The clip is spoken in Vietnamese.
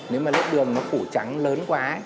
nếu mà lớp đường nó phủ trắng lớn quá